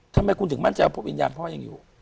ทำไมคุณถึงมั่นใจว่าวิญญาณพ่อยังอยู่